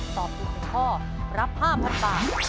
ตอบถูก๑ข้อรับ๕๐๐๐บาท